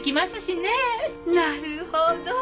なるほど。